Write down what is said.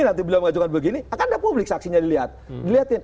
nanti beliau mengajukan begini akan ada publik saksinya dilihatin